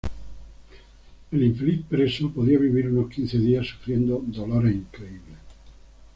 El infeliz preso podía vivir unos quince días sufriendo dolores increíbles.